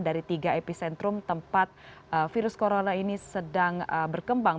dari tiga epicentrum tempat virus corona ini sedang berkembang